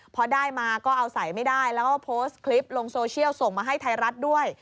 พอได้มาก็เอาใส่ไม่ได้แล้วก็โพสต์คลิปลงโซเชียลส่งมาให้ไทยรัฐด้วย